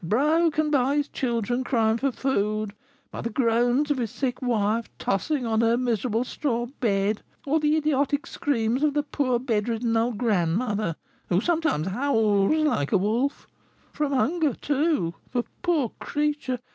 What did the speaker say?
broken by his children crying for food, by the groans of his sick wife tossing on her miserable straw bed, or the idiotic screams of the poor bedridden old grandmother, who sometimes howls like a wolf, from hunger, too, for, poor creature!